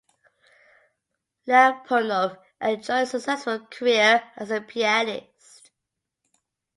Lyapunov enjoyed a successful career as a pianist.